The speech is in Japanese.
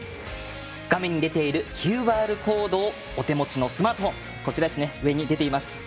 画面に出ているＱＲコードをお手持ちのスマートフォン上に出ていますね。